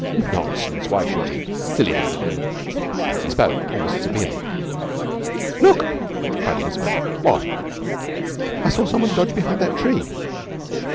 'Nonsense. Why should he? Silly thing to do!' He spoke almost severely. 'Look!' cried Elizabeth. 'What?' 'I saw someone dodge behind that tree.'